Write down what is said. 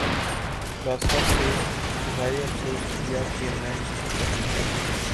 کلاسرا سے اظہار افسوس کیا کہ میں یہی کر سکتا تھا۔